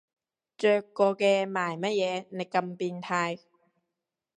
着過嘅買乜嘢你咁變態